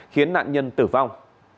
khiến nạn nhân tử vong